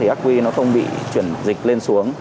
ác quy không bị chuyển dịch lên xuống